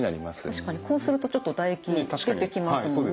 確かにこうするとちょっと唾液出てきますもんね。